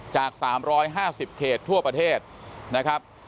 จาก๓๕๐เขตทั่วประเทศนะครับ